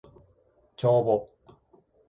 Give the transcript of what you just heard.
帳簿